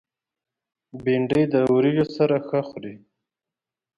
بېنډۍ د وریژو سره ښه خوري